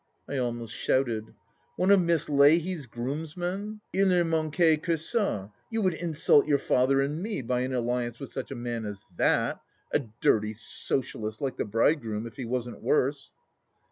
I almost shouted. " One of Miss Leahy's groomsmen ! II ne manquait que (a ! You would insult your father and me by an alliance with such a man as that, a dirty socialist, like the bridegroom, if he wasn't worse."